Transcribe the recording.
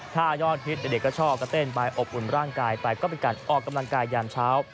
ถ้ายอดฮิตเด็กก็ชอบก็เต้นไปอบอุ่นร่างกายไปก็เป็นการออกกำลังกายยามเช้า